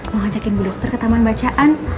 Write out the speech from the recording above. mau ngajakin bu dokter ke taman bacaan